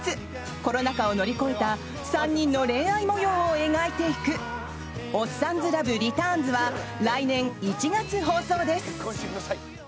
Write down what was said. コロナ禍を乗り越えた３人の恋愛模様を描いていく「おっさんずラブ‐リターンズ‐」は来年１月放送です。